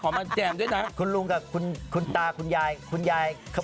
พรุ่งนี้นะคะคิดวิเคราะห์แยกแยะ